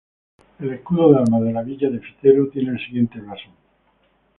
El escudo de armas de la villa de Fitero tiene el siguiente blasón.